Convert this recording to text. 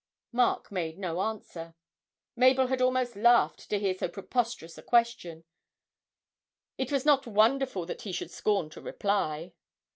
Mark made no answer. Mabel had almost laughed to hear so preposterous a question it was not wonderful that he should scorn to reply.